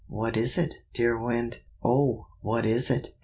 "What is it, dear Wind? oh, what is it?"